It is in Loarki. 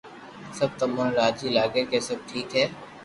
سب تمو نو راجي لاگي ڪي سب ٺيڪ ھي